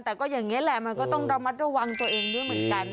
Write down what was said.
แต่ก็อย่างนี้แหละมันก็ต้องระมัดระวังตัวเองด้วยเหมือนกัน